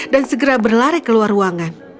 dan segera berlari keluar ruangan